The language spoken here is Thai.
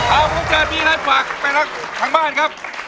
เอาคุณมันเจิดนี้นะฝากไปทั้งบ้านครับ